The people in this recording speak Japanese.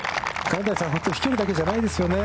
金谷さん、飛距離だけじゃないですよね。